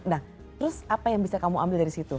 nah terus apa yang bisa kamu ambil dari situ